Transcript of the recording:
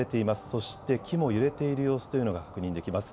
そして木も揺れている様子というのが確認できます。